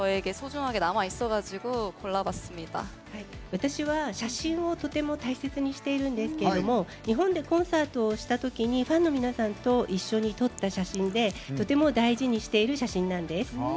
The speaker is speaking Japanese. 私は写真をとても大切にしているんですけども日本でコンサートをしたときにファンの皆さんと一緒に撮った写真でとても大事にしている写真なんです。